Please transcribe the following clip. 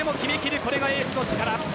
これがエースの力。